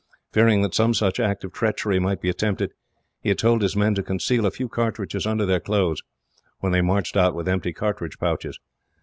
Fearing that some such act of treachery might be attempted, he had told his men to conceal a few cartridges under their clothes, when they marched out with empty cartridge pouches.